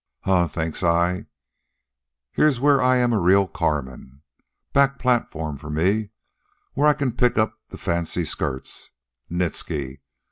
"Huh, thinks I, here's where I'm a real carman. Back platform for me, where I can pick up the fancy skirts. Nitsky.